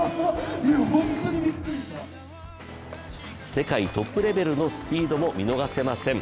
世界トップレベルのスピードも見逃せません。